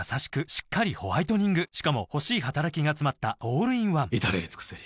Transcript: しっかりホワイトニングしかも欲しい働きがつまったオールインワン至れり尽せり